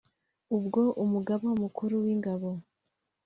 ubwo Umugaba Mukuru w’Ingabo